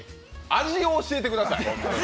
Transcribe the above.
味を教えてください。